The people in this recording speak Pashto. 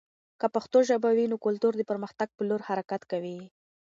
که پښتو ژبه وي، نو کلتور د پرمختګ په لور حرکت کوي.